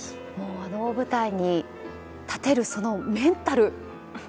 あの舞台に立てるそのメンタル。